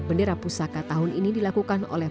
bendera pusaka tahun ini dilakukan oleh